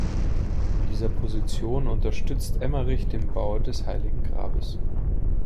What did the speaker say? In dieser Position unterstützt Emmerich den Bau des Heiligen Grabes.